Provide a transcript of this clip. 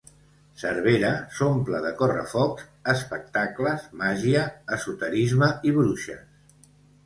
Cervera s'omple de correfocs, espectacles, màgia, esoterisme i bruixes.